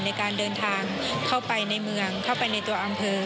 ในการเดินทางเข้าไปในเมืองเข้าไปในตัวอำเภอ